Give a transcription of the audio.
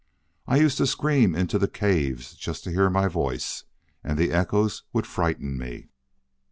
I used to scream into the caves just to hear my voice, and the echoes would frighten me.